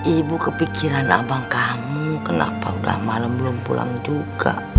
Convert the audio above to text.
ibu kepikiran abang kamu kenapa udah malam belum pulang juga